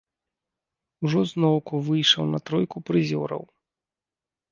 Ужо зноўку выйшаў на тройку прызёраў.